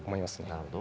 なるほど。